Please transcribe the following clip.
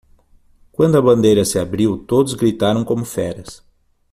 Quando a bandeira se abriu, todos gritaram como feras.